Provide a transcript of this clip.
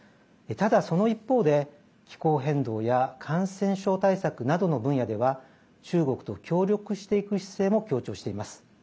ただ、その一方で、気候変動や感染症対策などの分野では中国と協力していく姿勢も強調しています。